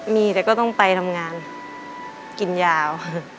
มีแต่ก็ต้องไปทำงานกินยาว